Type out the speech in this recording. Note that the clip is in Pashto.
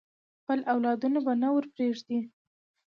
خپل اولادونه به نه ورپریږدي.